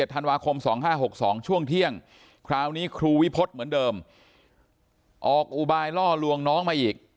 ธันวาคม๒๕๖๒ช่วงเที่ยงคราวนี้ครูวิพฤษเหมือนเดิมออกอุบายล่อลวงน้องมาอีก